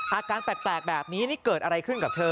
อาการแปลกแบบนี้นี่เกิดอะไรขึ้นกับเธอ